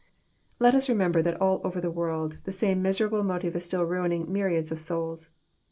Let us remember that all over the world the same miserable motive is still mining myriads of souls.